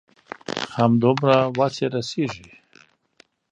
همدومره وس يې رسيږي.